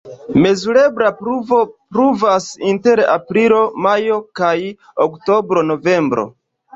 Mezurebla pluvo pluvas inter aprilo-majo kaj oktobro-novembro.